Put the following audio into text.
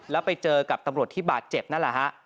แล้วไปเจอกับตำรวจที่บาดเจ็บนั่นแหละฮะ